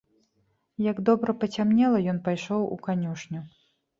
Як добра пацямнела, ён пайшоў у канюшню.